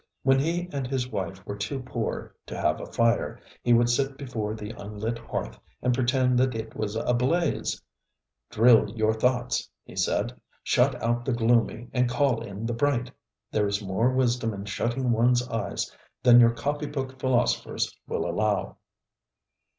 When he and his wife were too poor to have a fire, he would sit before the unlit hearth and pretend that it was ablaze. ŌĆ£Drill your thoughts, ŌĆØ he said; ŌĆ£shut out the gloomy and call in the bright. There is more wisdom in shutting oneŌĆÖs eyes than your copybook philosophers will allow.